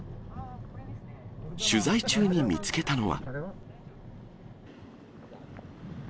取材中に見つけたのは。